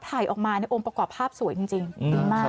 ถ่ายออกมาในองค์ประกอบภาพสวยจริงดีมาก